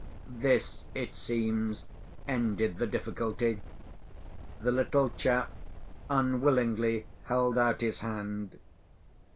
This, it seems, ended the difficulty. The little chap unwillingly held out his hand.